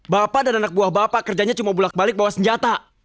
bapak dan anak buah bapak kerjanya cuma bulat balik bawa senjata